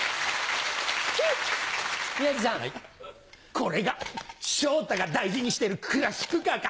これが昇太が大事にしてるクラシックカーか。